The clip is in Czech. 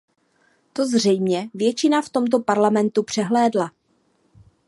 To zřejmě většina v tomto Parlamentu přehlédla.